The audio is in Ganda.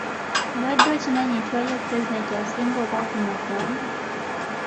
Obadde okimanyi nti waliyo pulezidenti asinga obwavu mu ggwanga?